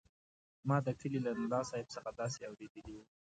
ما د کلي له ملاصاحب څخه داسې اورېدلي وو.